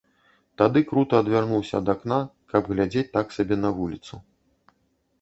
Тады крута адвярнуўся да акна, каб глядзець так сабе на вуліцу.